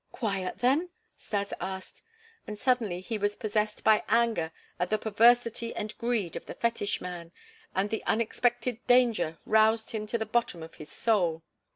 "Quiet them?" Stas asked. And suddenly he was possessed by anger at the perversity and greed of the fetish man; and the unexpected danger roused him to the bottom of his soul.